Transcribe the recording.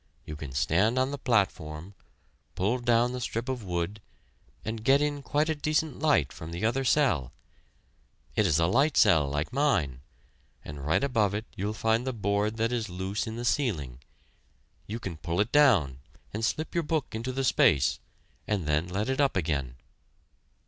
You can stand on the platform, pull down the strip of wood, and get in quite a decent light from the other cell. It is a light cell like mine; and right above it you'll find the board that is loose in the ceiling; you can pull it down and slip your book into the space and then let it up again."